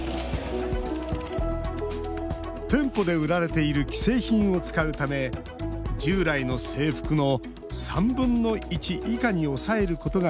店舗で売られている既製品を使うため従来の制服の３分の１以下に抑えることができます